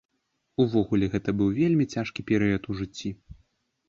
Увогуле, гэта быў вельмі цяжкі перыяд у жыцці.